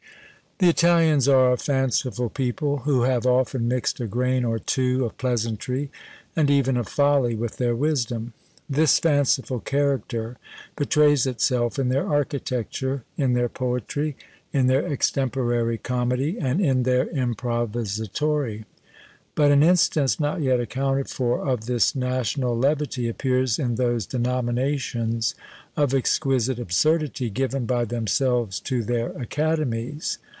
The Italians are a fanciful people, who have often mixed a grain or two of pleasantry and even of folly with their wisdom. This fanciful character betrays itself in their architecture, in their poetry, in their extemporary comedy, and their Improvisatori; but an instance not yet accounted for of this national levity, appears in those denominations of exquisite absurdity given by themselves to their Academies!